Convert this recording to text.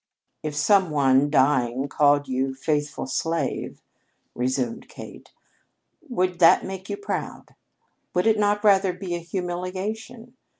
"If some one, dying, called you 'Faithful slave,'" resumed Kate, "would that make you proud? Would it not rather be a humiliation?